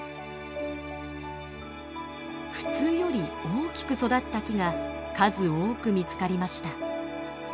普通より大きく育った木が数多く見つかりました。